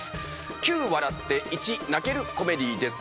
９笑って１泣けるコメディーです